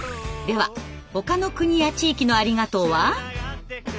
ではほかの国や地域の「ありがとう」は。